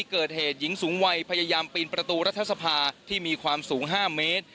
เกิดเหตุหญิงสูงวัยพยายามปีนประตูรัฐสภาที่มีความสูง๕เมตร